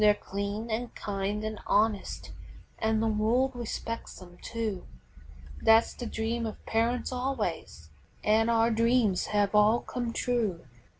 ] They're clean, an' kind an' honest, an' the world respects 'em, too; That's the dream of parents always, an' our dreams have all come true.